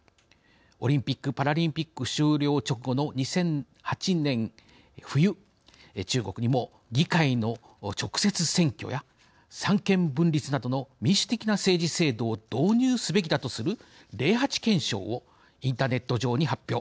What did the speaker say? オリンピック・パラリンピック終了直後の２００８年冬中国にも議会の直接選挙や三権分立などの民主的な政治制度を導入すべきだとする０８憲章をインターネット上に発表